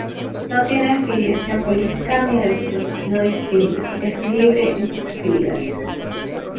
No tiene afiliación política ni religiosa, no discrimina, es libre en sus actividades.